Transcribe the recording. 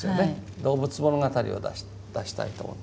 動物物語を出したいと思って。